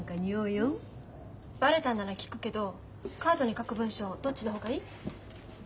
バレたなら聞くけどカードに書く文章どっちの方がいい？